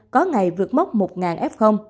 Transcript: có ngày vượt mốc một f